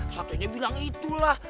satunya bilang itulah